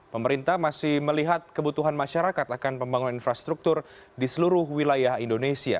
pemerintah masih melihat kebutuhan masyarakat akan pembangunan infrastruktur di seluruh wilayah indonesia